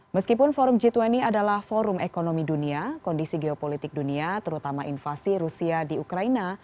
meskipun forum g dua puluh adalah forum ekonomi dunia kondisi geopolitik dunia terutama invasi rusia di ukraina